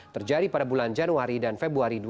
terjadi pada bulan januari dan februari dua ribu dua puluh